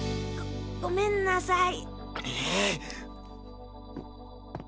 ごごめんなさい。